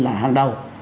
là hàng đầu